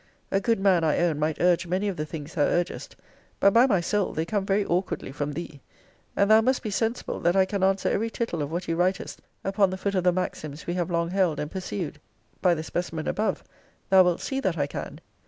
A good man, I own, might urge many of the things thou urgest; but, by my soul, they come very awkwardly from thee. And thou must be sensible, that I can answer every tittle of what you writest, upon the foot of the maxims we have long held and pursued. By the specimen above, thou wilt see that I can.